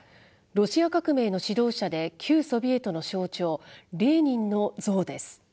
ロシア革命の指導者で、旧ソビエトの象徴、レーニンの像です。